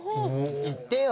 言ってよ。